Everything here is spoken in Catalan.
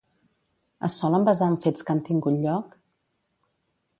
Es solen basar en fets que han tingut lloc?